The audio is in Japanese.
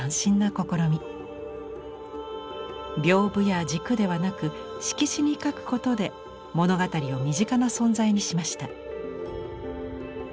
屏風や軸ではなく色紙に描くことで物語を身近な存在にしました。